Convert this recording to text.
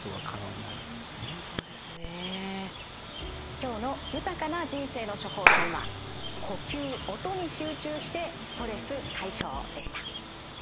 今日の「豊かな人生の処方せん」は「呼吸・音に集中してストレス解消！」でした。